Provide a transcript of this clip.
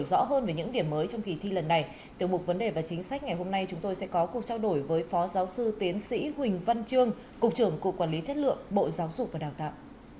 để rõ hơn về những điểm mới trong kỳ thi lần này tiểu mục vấn đề và chính sách ngày hôm nay chúng tôi sẽ có cuộc trao đổi với phó giáo sư tiến sĩ huỳnh văn trương cục trưởng cục quản lý chất lượng bộ giáo dục và đào tạo